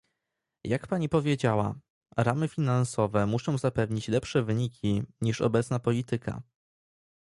Jak pani powiedziała, ramy finansowe muszą zapewnić lepsze wyniki niż obecna polityka